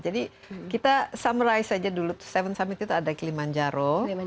jadi kita summarize saja dulu tujuh summit itu ada kilimanjaro